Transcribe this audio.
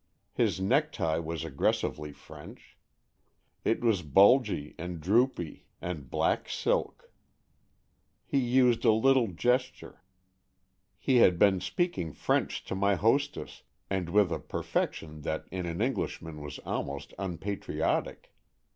His necktie was aggres sively French. It was bulgy and droopy 5 6 AN EXCHANGE OF SOULS and black silk. He used a little gesture. He had been speaking French to my hostess, and with a perfection that in an Englishman was almost unpatriotic.